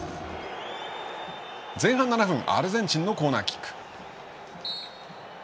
前半７分アルゼンチンのコーナーキック。